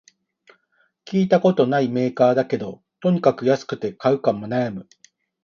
聞いたことないメーカーだけど、とにかく安くて買うか悩む